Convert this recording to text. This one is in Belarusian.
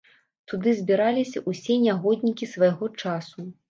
Туды збіраліся ўсе нягоднікі свайго часу.